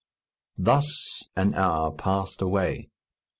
Thus an hour passed away.